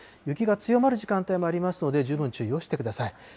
雪が強まる時間帯もありますので、十分注意をしてください。